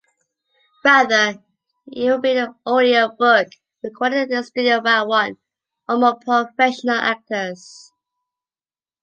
Rather, it will be an audio-book, recorded in a studio by one or more professional actors.